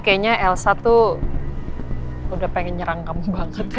kayaknya elsa tuh udah pengen nyerang kamu banget